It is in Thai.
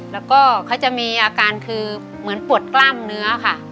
แล้วก็เขาจะมีอาการคือเหมือนปวดกล้ามเนื้อค่ะ